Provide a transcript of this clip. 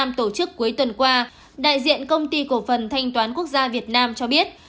tổ chức cuối tuần qua đại diện công ty cổ phần thanh toán quốc gia việt nam cho biết